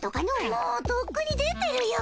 もうとっくに出てるよ。